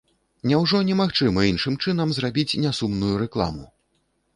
Няўжо немагчыма іншым чынам зрабіць нясумную рэкламу?